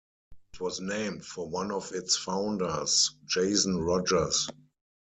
It was named for one of its founders, Jason Rogers.